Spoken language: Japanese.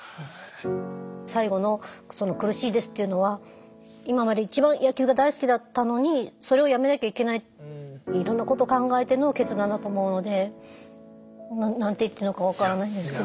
最後の「苦しいです」っていうのは今まで一番野球が大好きだったのにそれを辞めなきゃいけないいろんなことを考えての決断だと思うので何て言っていいのか分からないんですけど。